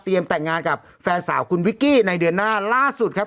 แต่งงานกับแฟนสาวคุณวิกกี้ในเดือนหน้าล่าสุดครับ